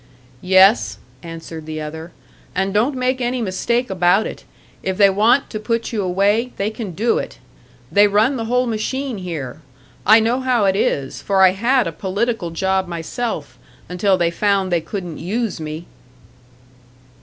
"Yes," answered the other; "and don't make any mistake about it, if they want to put you away, they can do it. They run the whole machine here. I know how it is, for I had a political job myself, until they found they couldn't use me."